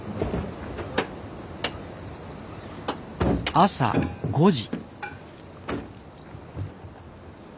朝５時。